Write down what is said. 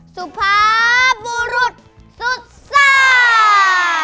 สุภาพลุดสุดซ่า